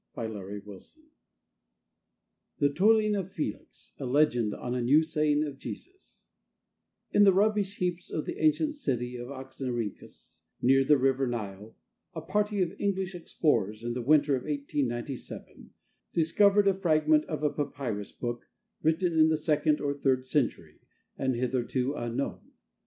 1904. NARRATIVE POEMS THE TOILING OF FELIX A LEGEND ON A NEW SAYING OF JESUS In the rubbish heaps of the ancient city of Oxyrhynchus, near the River Nile, a party of English explorers, in the winter of 1897, discovered a fragment of a papyrus book, written in the second or third century, and hitherto unknown.